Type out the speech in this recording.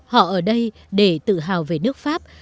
họ ở đây để tự hào về nước pháp